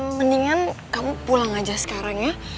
mendingan kamu pulang aja sekarang ya